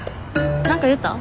何か言った？